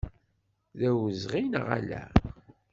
D awezɣi, neɣ ala?